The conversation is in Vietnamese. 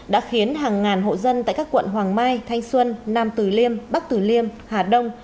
đã khiến hàng ngàn hộ dân tại các quận hoàng mai thanh xuân nam tử liêm bắc tử liêm hà đông